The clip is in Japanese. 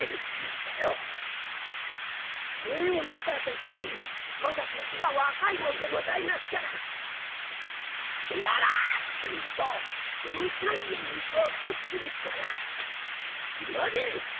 これを見た時にまだ年が若いもんでございますから「野郎！」と言うと２階へ行こうとするから「待て！